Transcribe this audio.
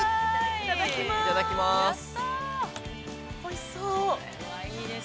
◆いただきまーす。